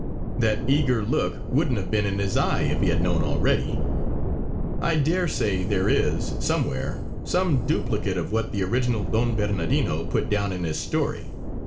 That eager look wouldn't have been in his eye if he had known already. I daresay there is, somewhere, some duplicate of what the original Don Bernardino put down in his story.